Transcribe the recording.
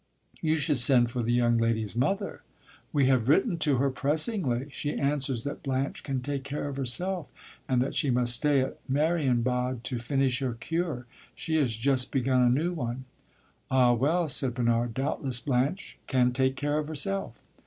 "You should send for the young lady's mother." "We have written to her pressingly. She answers that Blanche can take care of herself, and that she must stay at Marienbad to finish her cure. She has just begun a new one." "Ah well," said Bernard, "doubtless Blanche can take care of herself."